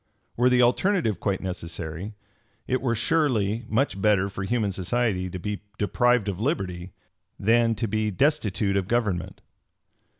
Were the alternative quite necessary, it were surely much better for human society to be deprived of liberty than to be destitute of government.